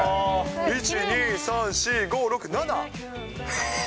１、２、３、４、５、６、７。